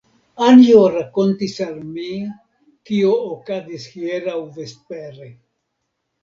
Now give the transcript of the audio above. Anjo rakontis al mi, kio okazis hieraŭ vespere.